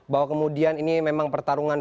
bahwa kemudian ini memang pertarungan